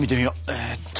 えっと。